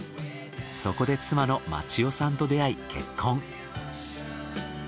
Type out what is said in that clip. そこで妻のまち代さんと出会い結婚。